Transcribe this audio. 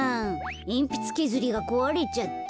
えんぴつけずりがこわれちゃった。